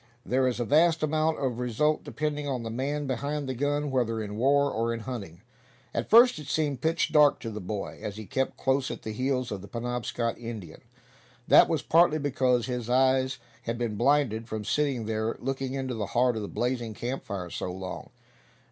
There is a vast amount of result depending on the man behind the gun, whether in war, or in hunting. At first it seemed pitch dark to the boy, as he kept close at the heels of the Penobscot Indian. That was partly because his eyes had been blinded from sitting there, looking into the heart of the blazing camp fire so long.